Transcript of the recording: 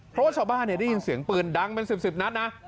เพราะว่าชาวบ้านได้ยินเสียงปืนดังเป็น๑๐นัดนะ